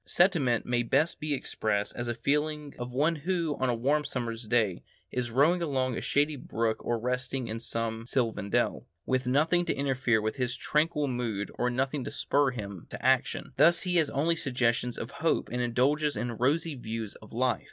Sentiment may best be expressed as the feeling of one who, on a warm summer's day, is rowing along a shady brook or resting in some sylvan dell, with nothing to interfere with his tranquil mood and nothing to spur him on to action; thus he has only suggestions of hope and indulges in rosy views of life.